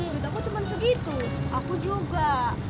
duit aku cuma segitu aku juga